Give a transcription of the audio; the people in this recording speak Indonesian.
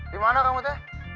dimana kamu teh